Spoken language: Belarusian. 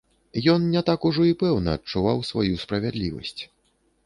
Ён не так ужо і пэўна адчуваў сваю справядлівасць.